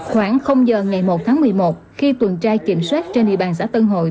khoảng giờ ngày một tháng một mươi một khi tuần tra kiểm soát trên địa bàn xã tân hội